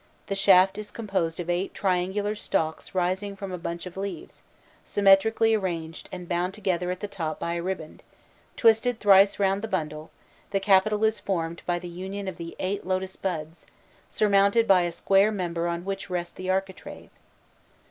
The shaft is composed of eight triangular stalks rising from a bunch of leaves, symmetrically arranged, and bound together at the top by a riband, twisted thrice round the bundle; the capital is formed by the union of the eight lotus buds, surmounted by a square member on which rests the architrave.